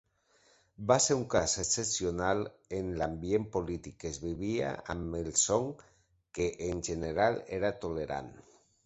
Va ser un cas excepcional en l'ambient polític que es vivia amb els Song, que, en general, era tolerant.